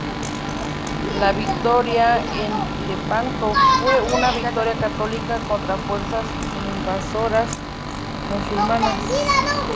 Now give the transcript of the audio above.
La victoria en Lepanto fue una victoria católica contra fuerzas invasoras musulmanas.